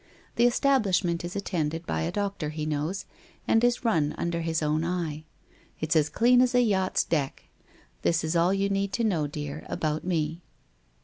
The establishment is attended by a doctor he knows, and is run under his own eye. It's as clean as a yacht's deck. This is all you need know, dear, about me.